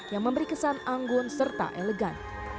yang memberi kesan anggun serta elegan